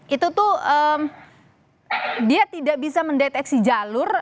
itu tuh dia tidak bisa mendeteksi jalur